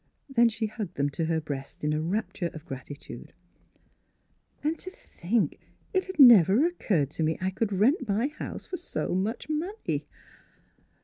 Then she hugged them to her breast in a rapture of gratitude. " And to think it had never occurred to Mns Philura's Wedding Gown me I could rent my house for so much money